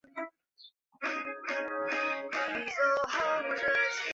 地下车站设有高天花及夹层连接月台。